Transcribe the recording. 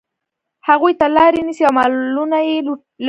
هغوی ته لاري نیسي او مالونه یې لوټي.